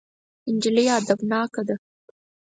نجلۍ ادبناکه ده.